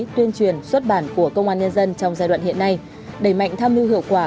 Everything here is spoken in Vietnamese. tuyên truyền xuất bản của công an nhân dân trong giai đoạn hiện nay đẩy mạnh tham mưu hiệu quả